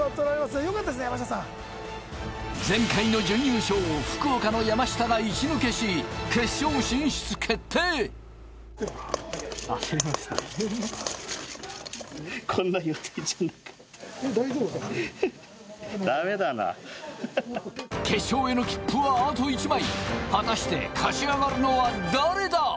前回の準優勝福岡の山下が一抜けし決勝進出決定果たして勝ち上がるのは誰だ？